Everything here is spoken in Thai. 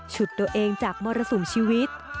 ฉุดตัวเองจากมรสุมชีวิต